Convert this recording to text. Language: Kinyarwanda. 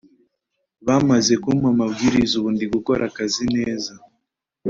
Bamaze kumpa amabwiriza ubu ndigukora akazi neza